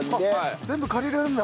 全部借りられるんだ。